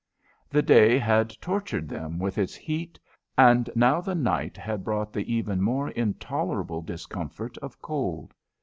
The day had tortured them with its heat, and now the night had brought the even more intolerable discomfort of cold.